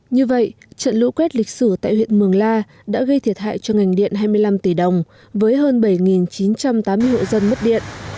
như vậy trận lũ quét lịch sử tại huyện mường la đã gây thiệt hại cho ngành điện hai mươi năm tỷ đồng với hơn bảy chín trăm tám mươi hộ dân mất điện